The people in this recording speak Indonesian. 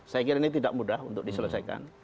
saya kira ini tidak mudah untuk diselesaikan